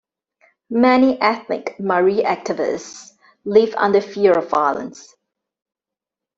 Many ethnic Mari activists live under fear of violence.